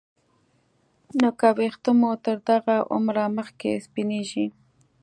نو که ویښته مو تر دغه عمره مخکې سپینېږي